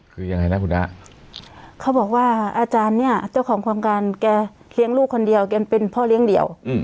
เขาบอกว่าอาจารย์ยังเค้าเป็นผู้เลี้ยงเดียว